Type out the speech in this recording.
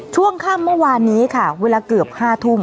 ช่วงค่ำเมื่อวานนี้ค่ะเวลาเกือบ๕ทุ่ม